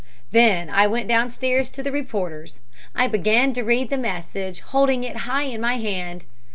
Then I went downstairs to the reporters, I began to read the message, holding it high in my hand.